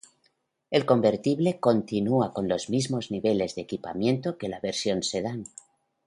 El convertible continúa, con los mismos niveles de equipamiento que la versión sedán.